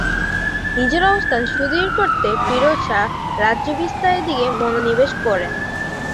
নিজের অবস্থান সুদৃঢ় করতে ফিরোজ শাহ রাজ্য বিস্তারের দিকে মনোনিবেশ করেন।